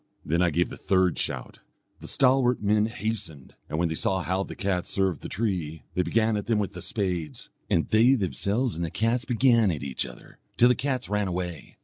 Then I gave the third shout. The stalwart men hastened, and when they saw how the cats served the tree, they began at them with the spades; and they themselves and the cats began at each other, till the cats ran away.